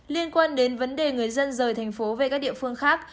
liên quan đến vấn đề người dân rời tp hcm về các địa phương khác